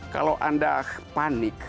kalau anda panik